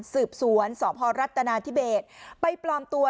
สืบสวนสพรัฐนาธิเบสไปปลอมตัว